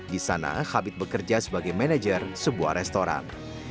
di sana habit bekerja sebagai manajer sebuah restoran